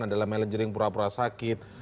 adalah manajering pura pura sakit